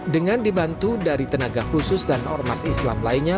dengan dibantu dari tenaga khusus dan ormas islam lainnya